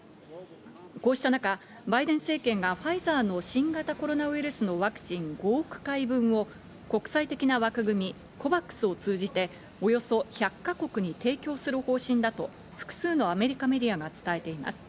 こうした中、バイデン政権がファイザーの新型コロナウイルスのワクチン５億回分を国際的な枠組み、ＣＯＶＡＸを通じておよそ１００か国に提供する方針だと複数のアメリカメディアが伝えています。